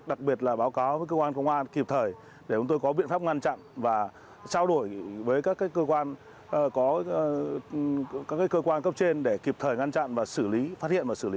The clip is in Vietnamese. đặc biệt là báo cáo với cơ quan công an kịp thời để chúng tôi có biện pháp ngăn chặn và trao đổi với các cơ quan có các cơ quan cấp trên để kịp thời ngăn chặn và xử lý phát hiện và xử lý